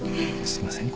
すいません。